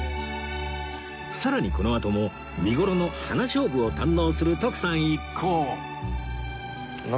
さらにこのあとも見頃のハナショウブを堪能する徳さん一行